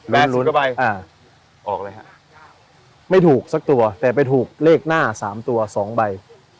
แปดสิบกว่าใบอ่าออกเลยฮะไม่ถูกสักตัวแต่ไปถูกเลขหน้าสามตัวสองใบ